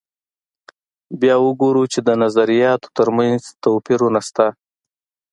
بیا وګورو چې د نظریاتو تر منځ توپیرونه شته.